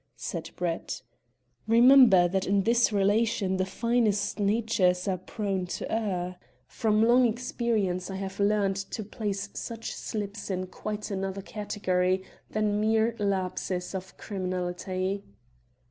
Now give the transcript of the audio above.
said Brett. "Remember that in this relation the finest natures are prone to err. From long experience, I have learnt to place such slips in quite another category than mere lapses of criminality."